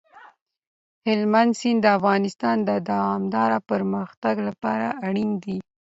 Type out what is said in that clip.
هلمند سیند د افغانستان د دوامداره پرمختګ لپاره اړین دي.